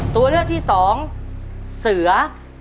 ตัวเลือกที่สองเสือ